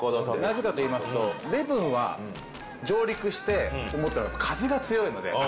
なぜかと言いますと礼文はうん上陸して思ったのは風が強いのでああ